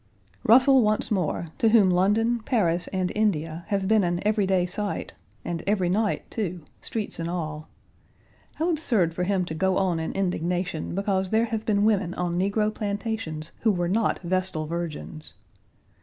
................................... Russell once more, to whom London, Paris, and India have been an every day sight, and every night, too, streets and all. How absurd for him to go on in indignation because there have been women on negro plantations who were not vestal virgins.